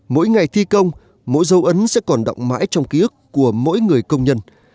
mỗi ngày thi công mỗi dâu ấn sẽ còn đọng mãi trong ký ức của mỗi người công nhân